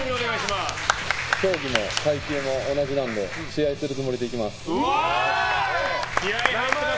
競技も階級も同じなので試合するつもりで行きます。